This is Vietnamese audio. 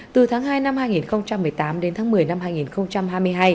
từ tháng hai năm hai nghìn một mươi tám đến tháng một mươi năm hai nghìn hai mươi hai